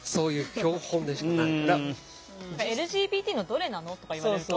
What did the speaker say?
「ＬＧＢＴのどれなの？」とか言われるとどれか。